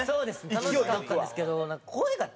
楽しかったんですけど。